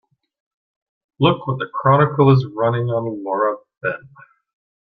Look what the Chronicle is running on Laura Ben.